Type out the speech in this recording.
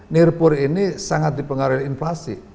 nirpur ini sangat dipengaruhi inflasi